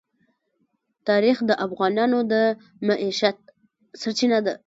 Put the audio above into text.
تاریخ د افغانانو د معیشت سرچینه ده.